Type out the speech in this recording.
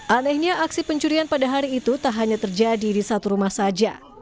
anehnya aksi pencurian pada hari itu tak hanya terjadi di satu rumah saja